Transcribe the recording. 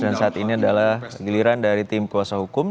dan saat ini adalah giliran dari tim kuasa hukum